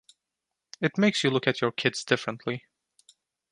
It makes you look at your kids differently.